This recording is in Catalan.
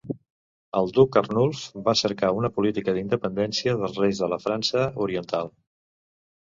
El duc Arnulf va cercar una política d'independència dels reis de la França oriental.